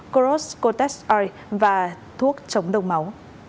cross cortex r và thuốc chống đông máu